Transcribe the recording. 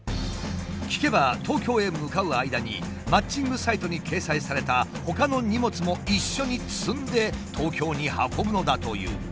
聞けば東京へ向かう間にマッチングサイトに掲載されたほかの荷物も一緒に積んで東京に運ぶのだという。